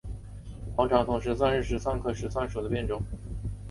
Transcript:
黄长筒石蒜是石蒜科石蒜属的变种。